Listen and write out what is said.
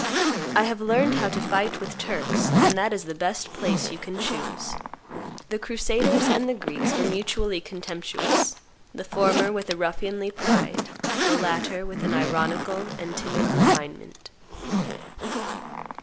I have learned how to fight with Turks; and that is the best place you can choose." The crusaders and the Greeks were mutually contemptuous, the former with a ruffianly pride, the latter with an ironical and timid refinement.